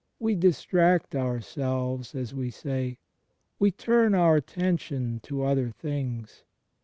We "distract" otirselveSy as we say; we turn our attention to other things.